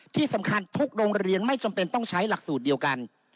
ที่สำคัญทุกโรงเรียนไม่จำเป็นต้องใช้หลักสูตรเดียวกัน